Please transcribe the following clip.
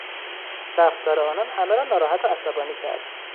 رفتار آنان همه را ناراحت و عصبانی کرد.